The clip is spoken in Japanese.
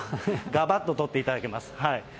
がばっと取っていただけます。